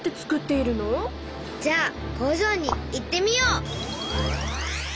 じゃあ工場に行ってみよう！